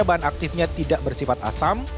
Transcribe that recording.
bahan aktifnya tidak bersifat asam